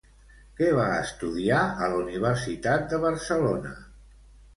Què va estudiar a la Universitat de Barcelona?